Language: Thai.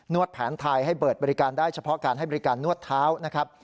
วดแผนไทยให้เปิดบริการได้เฉพาะการให้บริการนวดเท้านะครับ